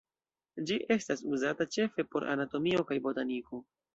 Ĝi estas uzata ĉefe por anatomio kaj botaniko.